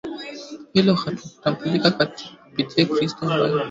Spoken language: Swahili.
Hilo hutambulika kupitia Kristo ambaye hujidhihirisha kwa yule mwenye